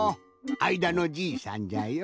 あいだのじいさんじゃよ。